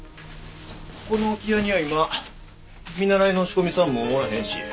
この置屋には今見習いの仕込みさんもおらへんし。